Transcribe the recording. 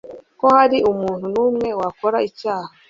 ko hari umuntu n'umwe wakora icyaha